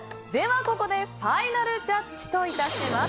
ここでファイナルジャッジといたします。